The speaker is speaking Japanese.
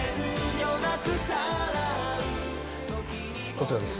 こちらです